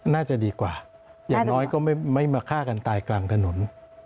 น่าจะดีกว่าอย่างน้อยก็ไม่มาฆ่ากันตายกลางถนน